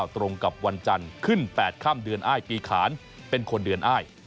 ตรงกับวันจันทร์ขึ้น๘ค่ำเดือนอ้ายปีขานเป็นคนเดือนอ้าย